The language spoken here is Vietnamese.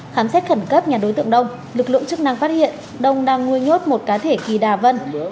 khám xét khẩn cấp nhà đối tượng đông lực lượng chức năng phát hiện đông đang nuôi nhốt một cá thể kỳ đà vân